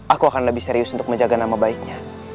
aku akan lebih serius untuk menjaga nama baiknya